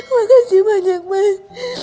makasih banyak mas